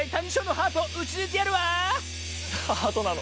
ハートなの？